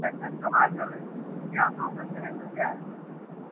شیخه څنګه ستا د حورو کیسې واورم،